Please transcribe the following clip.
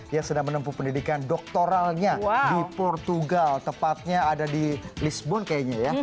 yang sedang menempuh pendidikan doktoralnya di portugal tepatnya ada di lisbon kayaknya ya